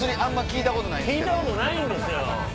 聞いたことないんですよ。